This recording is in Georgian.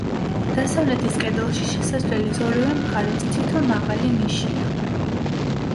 დასავლეთის კედელში, შესასვლელის ორივე მხარეს, თითო მაღალი ნიშია.